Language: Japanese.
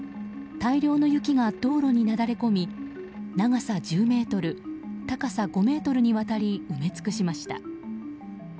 大量の雪が道路になだれ込み長さ１０ｍ、高さ５ｍにわたり埋め尽くしました。